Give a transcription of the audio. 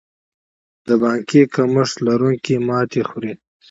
د پانګې کمښت لرونکي ماتې خوري.